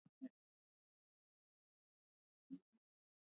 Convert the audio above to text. ازادي راډیو د بیکاري په اړه د امنیتي اندېښنو یادونه کړې.